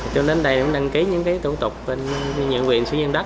trong đến đây em đăng ký những tổ tục bên nhận quyền xử dụng đất